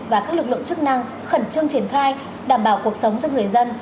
và các lực lượng chức năng khẩn trương triển khai đảm bảo cuộc sống cho người dân